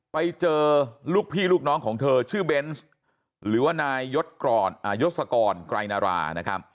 ไปเจอลูกพี่ลูกน้องของเธอชื่อเบนส์หรือว่านายยศกรไกรนารานะครับ